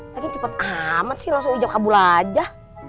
lagi cepet amat sih langsung ijab kabul aja